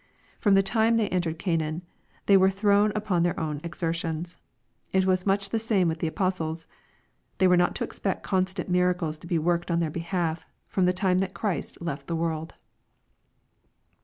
From the time they entered Canaan, they were thrown upon their own exertions. It was much the same with the apos tles. They were not to expect constant miracles to be worked on their behalf, from the time that Christ left the world.